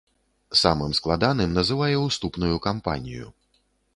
Самым складаным называе уступную кампанію.